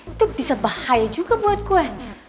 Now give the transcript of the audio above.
itu bisa bahaya juga buat kuahnya